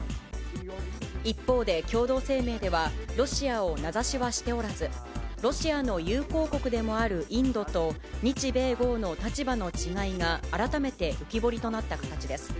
一方で共同声明では、ロシアを名指しはしておらず、ロシアの友好国でもあるインドと、日米豪の立場の違いが改めて浮き彫りとなった形です。